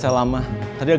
kemana lu dateng produknya